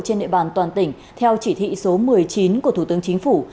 trên địa bàn toàn tỉnh theo chỉ thị số một mươi chín của thủ tướng chính phủ